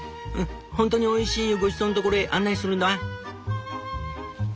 ほんとにおいしいごちそうの所へ案内するんだワン」。